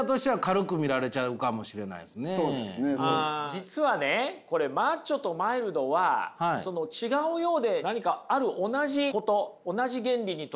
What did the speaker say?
実はねこれマッチョとマイルドは違うようで何か何やろう？